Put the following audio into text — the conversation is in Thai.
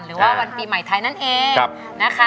หรือว่าวันปีใหม่ไทยนั่นเองนะคะ